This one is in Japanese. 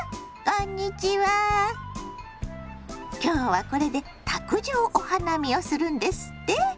こんにちは今日はこれで卓上お花見をするんですって？